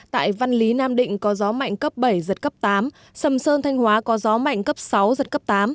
tại văn lý nam định có gió mạnh cấp bảy giật cấp tám sầm sơn thanh hóa có gió mạnh cấp sáu giật cấp tám